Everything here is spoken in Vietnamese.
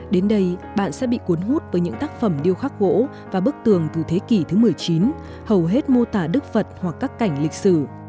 đến đây bạn sẽ bị cuốn hút với những tác phẩm điêu khắc gỗ và bức tường từ thế kỷ thứ một mươi chín hầu hết mô tả đức phật hoặc các cảnh lịch sử